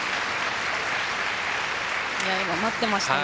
今、待っていましたね